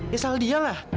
ya salah dia lah